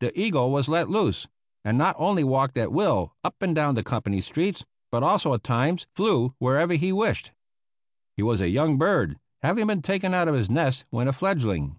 The eagle was let loose and not only walked at will up and down the company streets, but also at times flew wherever he wished. He was a young bird, having been taken out of his nest when a fledgling.